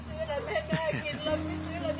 ลูกมันบอกลูกลูกมันบอกลูกลูกกวรรดิ